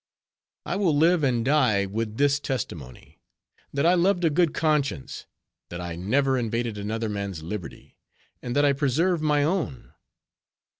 I will live and die with this testimony: that I loved a good conscience; that I never invaded another man's liberty; and that I preserved my own.